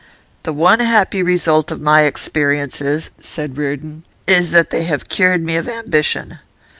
'The one happy result of my experiences,' said Reardon, 'is that they have cured me of ambition.